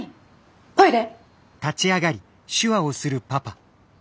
トイレ？